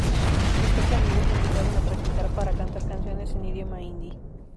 Sus tres amigos lo invitaron a practicar para cantar canciones en idioma Hindi.